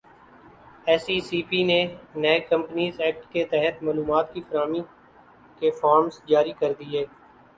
S E C P نے نئے companies act کے تحت معلومات کی فراہمی کے فارمز جاری کردیئے